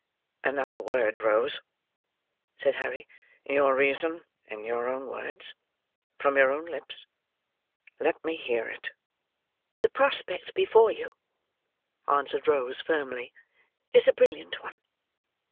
"Another word, Rose," said Harry. "Your reason in your own words. From your own lips, let me hear it!" "The prospect before you," answered Rose, firmly, "is a brilliant one.